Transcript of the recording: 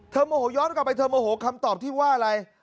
โมโหย้อนกลับไปเธอโมโหคำตอบที่ว่าอะไร